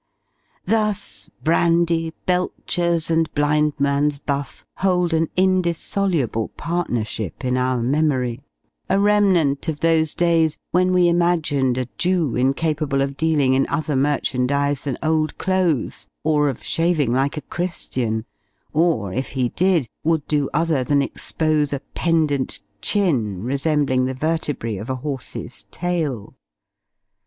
Thus, brandy, Belchers, and Blind man's buff, hold an indissoluble partnership in our memory a remnant of those days when we imagined a Jew incapable of dealing in other merchandise than old clothes; or of shaving like a Christian, or, if he did, would do other than expose a pendant chin, resembling the vertebræ of a horse's tail.